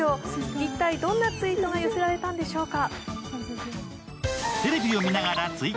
一体どんなツイートが寄せられたんでしょうか。